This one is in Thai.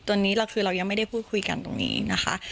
ตอนนี้เราคือเรายังไม่ได้พูดคุยกันตรงนี้นะคะ